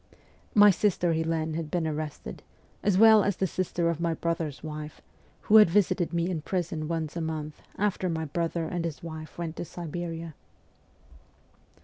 My sister Helene had been arrested, as well as the sister of my brother's wife, who had visited me in prison once a month after my brother and his wife went to Siberia.